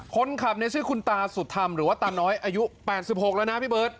คนขับในชื่อคุณตาสุดธรรมหรือว่าตาน้อยอายุแปลงสิบหกแล้วนะพี่เบิ้ด